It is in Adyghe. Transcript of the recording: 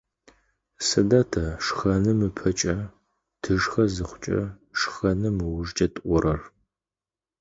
Сыда тэ шхэным ыпэкӏэ, тышхэ зыхъукӏэ, шхэным ыужкӏэ тӏорэр?